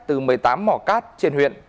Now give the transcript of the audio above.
từ một mươi tám mỏ cát trên huyện